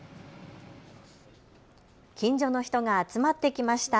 近所の人が集まってきました。